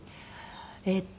えっと